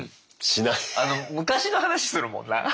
昔の話するもんな。